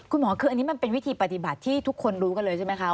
คุณหมอคืออันนี้มันเป็นวิธีปฏิบัติที่ทุกคนรู้กันเลยใช่ไหมคะ